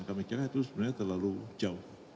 kami kira itu sebenarnya terlalu jauh